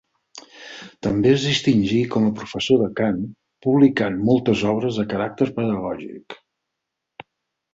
També es distingí com a professor de cant, publicant moltes obres de caràcter pedagògic.